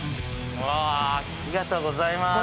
ありがとうございます